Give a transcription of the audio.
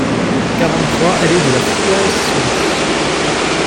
quarante-trois allée de la Fouasserie